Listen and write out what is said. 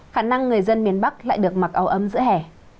khả năng người dân miền bắc lại được mặc áo ấm giữa hè